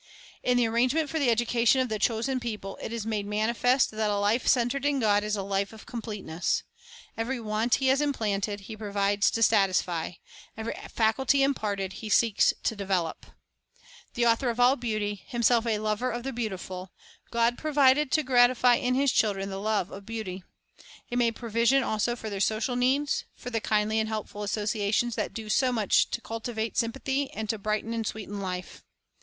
In the arrangements for the education of the chosen people it is made manifest that a life centered in God is a life of completeness. Every want He has implanted, He provides to satisfy; every faculty imparted, He seeks to develop. The Author of all beauty, Himself a lover of the beautiful, God provided to gratify in His children the love of beauty. He made provision also for their social needs, for the kindly and helpful associations that do so much to cultivate sympathy and to brighten and sweeten life.